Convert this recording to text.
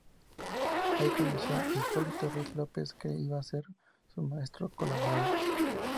Allí conoció a Hipólito Ruiz López, que iba a ser su maestro y colaborador.